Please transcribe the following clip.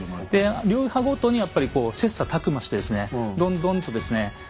流派ごとにやっぱりこう切磋琢磨してですねどんどんとですね